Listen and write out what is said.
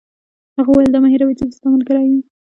هغه وویل: دا مه هیروئ چي زه ستا ملګری یم.